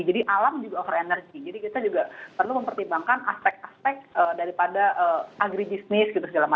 jadi alam juga over energy jadi kita juga perlu mempertimbangkan aspek aspek daripada agridismis gitu segala macam ya